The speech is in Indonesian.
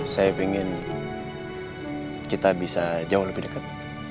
saya ingin kita bisa jauh lebih dekat